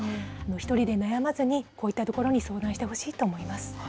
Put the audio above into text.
１人で悩まずに、こういったところに相談してほしいと思います。